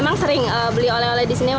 emang sering beli oleh oleh disini